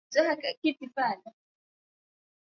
Burundi Rwanda na jamhuri ya demokrasia ya kongo Magharibi